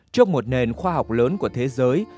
trước một nền khoa học lớn của thế giới